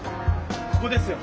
ここですよ。